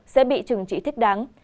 sẽ bị trừng trị thích đáng